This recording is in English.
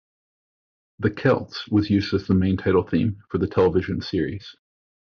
"The Celts" was used as the main title theme for the television series.